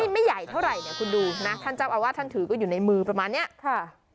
ไม่ใหญ่เท่าไหร่เนี่ยคุณดูนะท่านเจ้าอาวาสท่านถือก็อยู่ในมือประมาณเนี้ยค่ะ